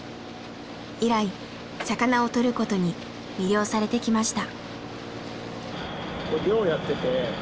以来魚をとることに魅了されてきました。